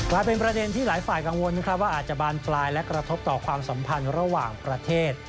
กลายเป็นประเด็นที่หลายฝ่ายกังวลว่าอาจจะบานปลายและกระทบต่อความสัมพันธ์ระหว่างประเทศ